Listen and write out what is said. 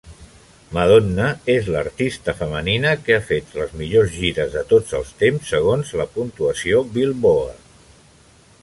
Madonna és l"artista femenina que ha fet les millors gires de tots els temps segons la puntuació "Billboard".